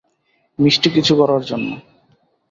মিষ্টি কিছু করার জন্য।